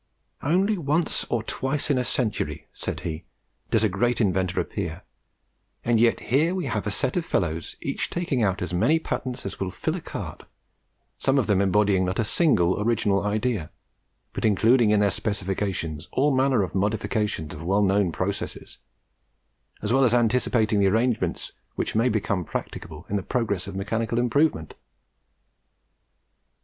"Only once or twice in a century," said he, "does a great inventor appear, and yet here we have a set of fellows each taking out as many patents as would fill a cart, some of them embodying not a single original idea, but including in their specifications all manner of modifications of well known processes, as well as anticipating the arrangements which may become practicable in the progress of mechanical improvement."